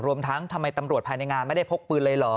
รวมทั้งทำไมตำรวจภายในงานไม่ได้พกปืนเลยเหรอ